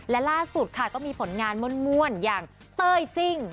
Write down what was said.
และล่าสุดค่ะก็มีผลงานม่วนอย่างเต้ยซิ่ง